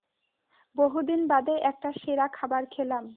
বহুদিন বাদে একটা সেরা খাবার খেলাম।